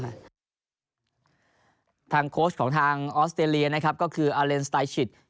โค้ชของทางออสเตรเลียนะครับก็คืออาเลนสไตล์ชิต